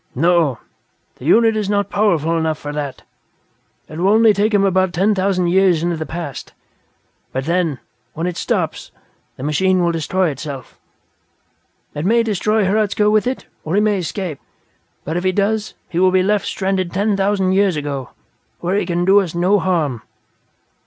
"No, the unit is not powerful enough for that. It will only take him about ten thousand years into the past. But then, when it stops, the machine will destroy itself. It may destroy Hradzka with it or he may escape. But if he does, he will be left stranded ten thousand years ago, when he can do us no harm.